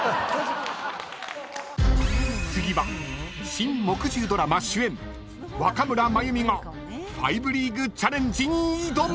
［次は新木１０ドラマ主演若村麻由美がファイブリーグチャレンジに挑む！］